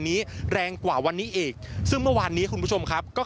แรงกว่าวันนี้อีกซึ่งเมื่อวานนี้คุณผู้ชมครับก็